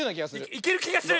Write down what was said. いけるきがする。